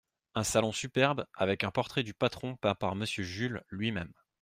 Un salon superbe, avec un portrait du patron peint par Monsieur Jules… lui-même.